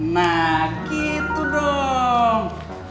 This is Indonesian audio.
nah gitu dong